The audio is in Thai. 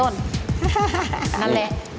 นั่นแหละ